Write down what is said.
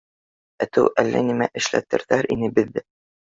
Әтеү әллә нимә эшләтерҙәр ине беҙҙе!